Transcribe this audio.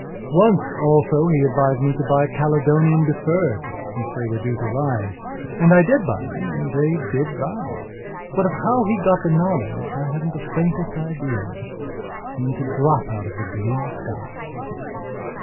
Once also he advised me to buy Caledonian Deferred, since they were due to rise. And I did buy them and they did rise. But of how he got the knowledge I haven't the faintest idea. It seemed to drop out of the blue sky.